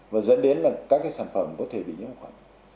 và dẫn đến là các cái sản phẩm có thể bị nhiễm khuẩn